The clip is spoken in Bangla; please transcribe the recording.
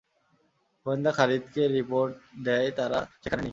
গোয়েন্দা খালিদকে রিপোর্ট দেয় তারা সেখানে নেই।